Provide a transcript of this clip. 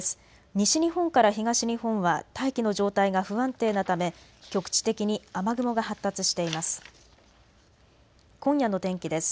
西日本から東日本は大気の状態が不安定なため局地的に雨雲が発達しています。